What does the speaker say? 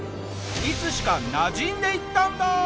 いつしかなじんでいったんだ！